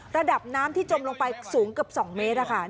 ระดับน้ำที่จมลงไปสูงเกือบ๒เมตรค่ะ